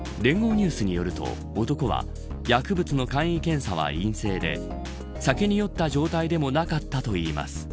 ニュースによると男は、薬物の簡易検査は陰性で酒に酔った状態でもなかったといいます。